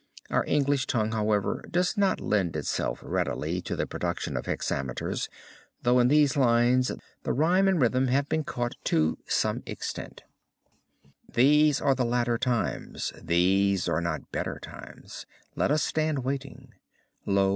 Our English tongue, however, does not lend itself readily to the production of hexameters, though in these lines the rhyme and rhythm has been caught to some extent: "These are the latter times, these are not better times; Let us stand waiting; Lo!